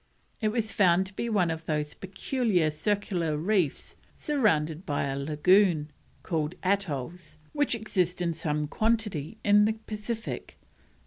It was found to be one of those peculiar circular reefs surrounding a lagoon, called atolls, which exist in some quantity in the Pacific.